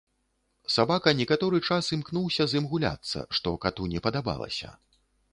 Сабака некаторы час імкнуўся з ім гуляцца, што кату не падабалася.